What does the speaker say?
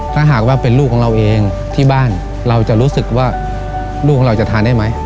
ถ้าหากว่าเป็นลูกของเราเองที่บ้านเราจะรู้สึกว่าลูกของเราจะทานได้ไหม